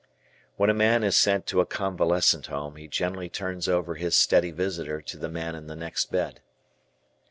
When a man is sent to a convalescent home, he generally turns over his steady visitor to the man in the next bed.